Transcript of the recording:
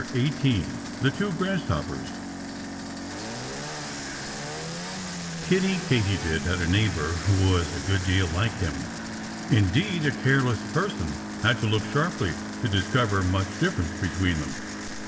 XVIII THE TWO GRASSHOPPERS Kiddie Katydid had a neighbor who was a good deal like him. Indeed, a careless person had to look sharply to discover much difference between them.